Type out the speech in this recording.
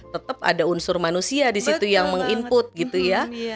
tetap ada unsur manusia di situ yang meng input gitu ya